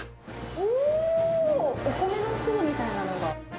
おー、お米の粒みたいなのが。